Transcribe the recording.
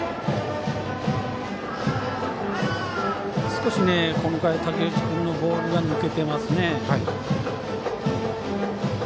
少し、この回は武内君のボールが抜けていますね。